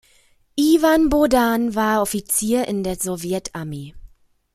Iwan Bohdan war Offizier in der Sowjetarmee.